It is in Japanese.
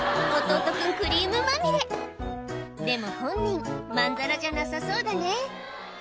弟君クリームまみれでも本人まんざらじゃなさそうだね